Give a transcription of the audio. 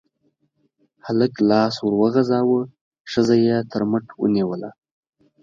هلک لاس ور وغزاوه، ښځه يې تر مټ ونيوله.